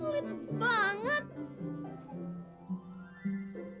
eh sakit perut laper